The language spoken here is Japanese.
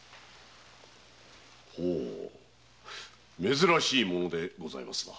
珍しいものでございますな。